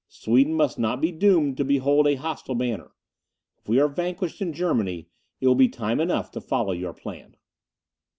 Sweden must not be doomed to behold a hostile banner; if we are vanquished in Germany, it will be time enough to follow your plan."